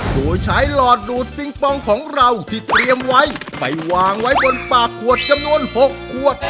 โดยใช้หลอดดูดปิงปองของเราที่เตรียมไว้ไปวางไว้บนปากขวดจำนวน๖ขวด